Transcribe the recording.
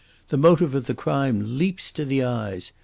The motive of the crime leaps to the eyes.